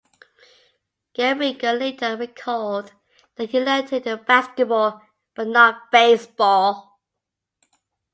Gehringer later recalled that he lettered in basketball but not baseball.